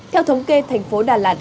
theo thống kê thành phố đà lạt